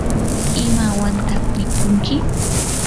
¿imawantaq mikunki?